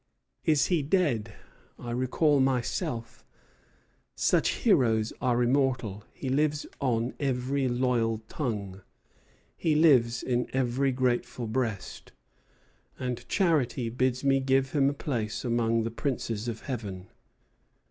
Is he dead? I recall myself. Such heroes are immortal; he lives on every loyal tongue; he lives in every grateful breast; and charity bids me give him a place among the princes of heaven."